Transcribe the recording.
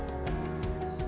kacang yang lain